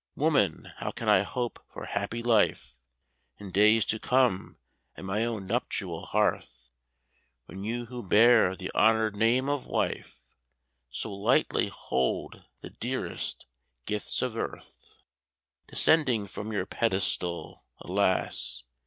Woman, how can I hope for happy life In days to come at my own nuptial hearth, When you who bear the honoured name of wife So lightly hold the dearest gifts of earth? Descending from your pedestal, alas!